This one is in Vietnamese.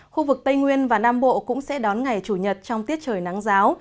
khu vực tây nguyên và nam bộ cũng sẽ đón ngày chủ nhật trong tiết trời nắng giáo